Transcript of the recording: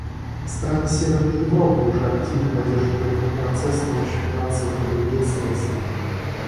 Страны Северной Европы уже активно поддерживают этот процесс с помощью финансовых и других средств.